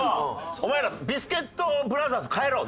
お前ら「ビスケットブラザーズ」変えろ名前。